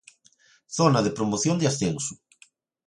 Zona de promoción de ascenso.